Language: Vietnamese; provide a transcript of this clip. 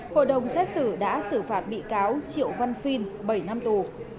hội đồng xét xử đã xử phạt bị cáo triệu văn phiên bảy năm tù